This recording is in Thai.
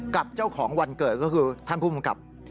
กับเจ้าของวันเกิดก็คือท่านผู้กำกับ